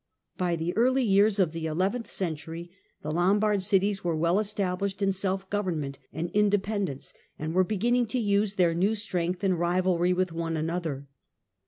By the early years of the eleventh century the Lombard cities were well established in self government and independ ence, and were beginning to use their new strength in rivalry with one another.